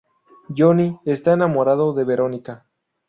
Johnny está enamorado de Verónica.